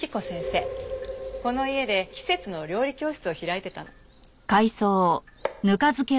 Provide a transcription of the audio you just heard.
この家で季節の料理教室を開いてたの。